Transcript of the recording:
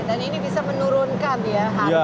dan ini bisa menurunkan ya harga